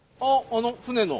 あの船の。